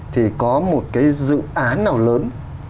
thì có một cái dự án nào lớn